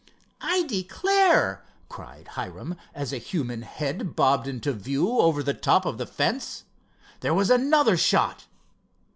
"I declare!" cried Hiram, as a human head bobbed into view over the top of the fence. There was another shot.